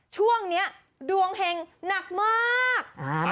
ช่วงนี้ดวงเห็งหนักมาก